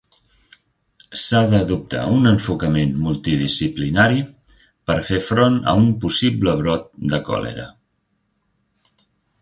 S'ha d'adoptar un enfocament multidisciplinari per fer front a un possible brot de còlera.